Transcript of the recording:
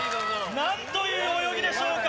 なんという泳ぎでしょうか